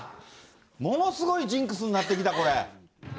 ものすごいジンクスになってきた、これ。